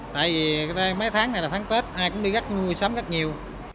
tại vì mấy tháng này là tháng tết ai cũng đi mua sắm rất nhiều